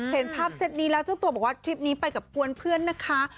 เห็นภาพเซ็ตนี้แล้วเจ้าตัวบอกว่าทริปนี้ไปกับกวนเพื่อนนะคะ